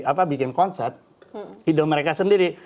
apa bikin konsep hidup mereka sendiri